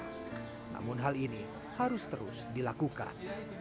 namun hal ini harus terus dilakukan